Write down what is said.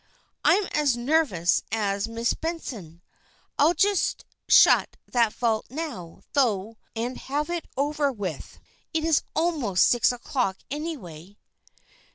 "I'm as nervous as Miss Benson. I'll just shut that vault now, though, and have it over with. It is almost six o'clock anyway."